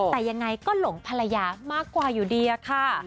แต่ยังไงก็หลงภรรยามากกว่าอยู่ดีอะค่ะ